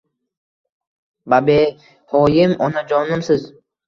Babehoyim onajonimsiz